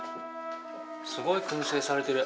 すごいくん製されてる。